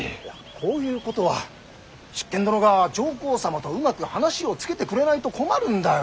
こういうことは執権殿が上皇様とうまく話をつけてくれないと困るんだよ。